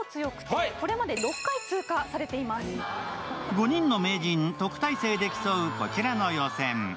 ５人の名人、特待生で競うこちらの予選。